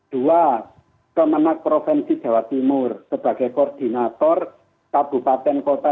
dua kemenang provinsi jawa timur sebagai koordinator kabupaten kota